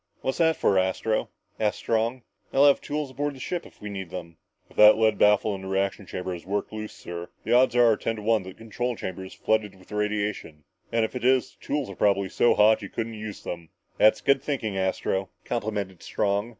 "What's that for, Astro?" asked Strong. "They'll have tools aboard the ship if we need them." "If that lead baffle in the reaction chamber has worked loose, sir, the odds are ten to one that the control chamber is flooded with radiation. And if it is, the tools are probably so hot you couldn't use them." "That's good thinking, Astro," complimented Strong.